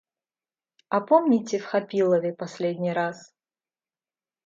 А помните в Хапилове последний раз?